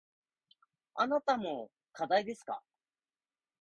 あなたも課題ですか。